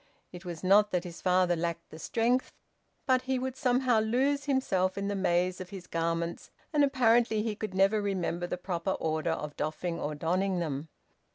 It was not that his father lacked the strength, but he would somehow lose himself in the maze of his garments, and apparently he could never remember the proper order of doffing or donning them.